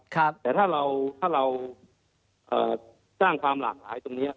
แต่ถ้าเราถ้าเราสร้างความหลากหลายตรงนี้